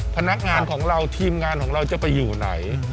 พนักงานของเราทีมงานของเราจะไปอยู่ไหน